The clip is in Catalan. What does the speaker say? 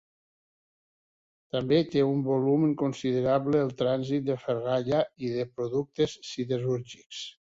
També té un volum considerable el trànsit de ferralla i de productes siderúrgics.